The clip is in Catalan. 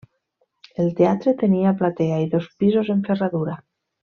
El teatre tenia platea i dos pisos en ferradura.